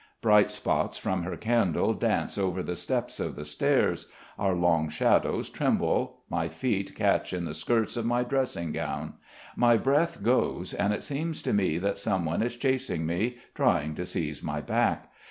Bright spots from her candle dance over the steps of the stairs; our long shadows tremble; my feet catch in the skirts of my dressing gown. My breath goes, and it seems to me that someone is chasing me, trying to seize my back.